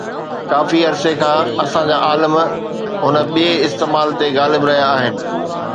ڪافي عرصي کان اسان جا عالم هن ٻئي استعمال تي غالب رهيا آهن